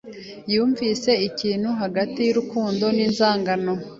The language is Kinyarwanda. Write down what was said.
Yumvise ikintu hagati yurukundo ninzangano.